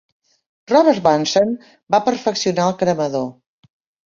Robert Bunsen va perfeccionar el cremador.